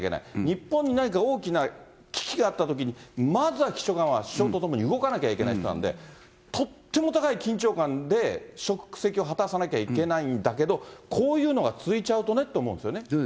日本に何か大きな危機があったときに、まずは秘書官は首相と共に動かなきゃいけない人なんで、とっても高い緊張感で職責を果たさなきゃいけないんだけど、こういうのが続いちゃうとねと思うんですよね。